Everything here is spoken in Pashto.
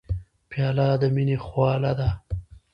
پیاله د مینې خواله ده.